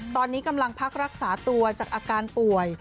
ตอนนี้กำลังพักรักษาตัวจากอาการป่วย